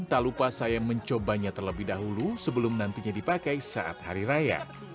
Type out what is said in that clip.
tak lupa saya mencobanya terlebih dahulu sebelum nantinya dipakai saat hari raya